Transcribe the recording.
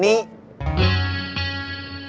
ya terus beritahu